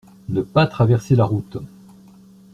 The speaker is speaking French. Ne pas traverser la route.